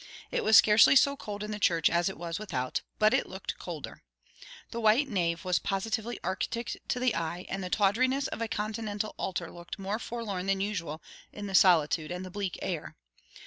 It was scarcely so cold in the church as it was without, but it looked colder. The white nave was positively arctic to the eye; and the tawdriness of a continental altar looked more forlorn than usual in the solitude and the bleak air.